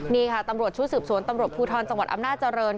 นี่ค่ะตำรวจชุดสืบสวนตำรวจภูทรจังหวัดอำนาจริง